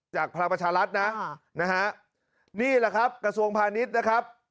พลังประชารัฐนะนะฮะนี่แหละครับกระทรวงพาณิชย์นะครับ